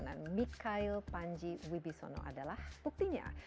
dan mikhail panji wibisono adalah buktinya